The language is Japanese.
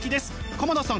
鎌田さん